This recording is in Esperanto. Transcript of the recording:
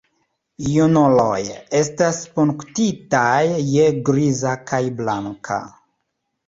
Junuloj estas punktitaj je griza kaj blanka.